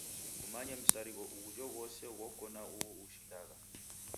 Kumanye msarigho ughjoghose ghoko na uhu ushindagha.